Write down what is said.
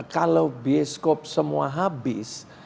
kalau bioskop semua habis